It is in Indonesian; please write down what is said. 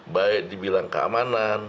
baik dibilang keamanan